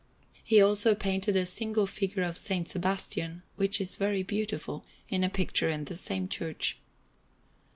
He also painted a single figure of S. Sebastian, which is very beautiful, in a picture in the same church.